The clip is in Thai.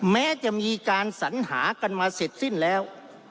แม้จะมีการสัญหากันมาเสร็จสิ้นแล้ว